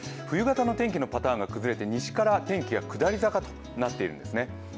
冬型の天気のパターンが崩れて西から下り坂となっているんですね。